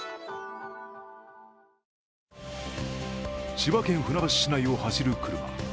千葉県船橋市内を走る車。